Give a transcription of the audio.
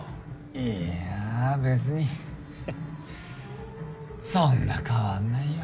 いやぁ別にそんな変わんないよ。